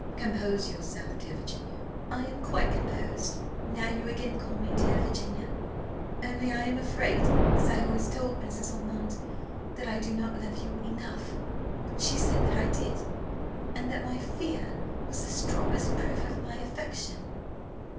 Compose yourself, dear Virginia." "I am quite composed, now you again call me dear Virginia. Only I am afraid, as I always told Mrs. Ormond, that I do not love you enough; but she said that I did, and that my fear was the strongest proof of my affection."